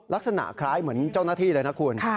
ลักษณะคล้ายเหมือนเจ้าหน้าที่เลยนะคุณ